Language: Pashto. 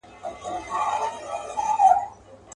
شرمنده یې کړ پاچا تر جنرالانو.